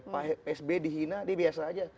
psb dihina dia biasa aja